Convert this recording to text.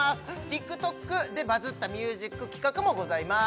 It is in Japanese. ＴｉｋＴｏｋでバズったミュージック企画もございます